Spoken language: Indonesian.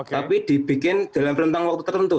tapi dibikin dalam rentang waktu tertentu